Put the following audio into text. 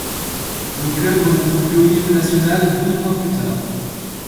Le club remonte au plus haut niveau national douze mois plus tard.